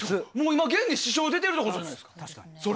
今、現に支障出ているってことじゃないですか。